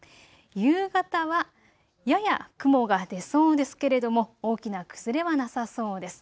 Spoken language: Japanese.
夕方はやや雲が出そうですけれども大きな崩れはなさそうです。